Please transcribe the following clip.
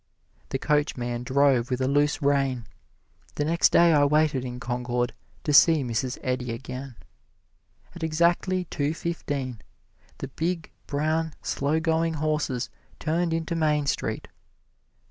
The coachman drove with a loose rein. The next day I waited in Concord to see Mrs. Eddy again. At exactly two fifteen the big, brown, slow going horses turned into Main Street.